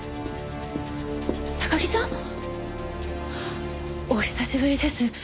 高木さん？お久しぶりです。